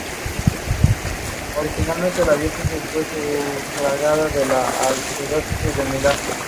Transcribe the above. Tiene hojas perennes o caducifolias, alternas, herbáceas o coriáceas y pecioladas.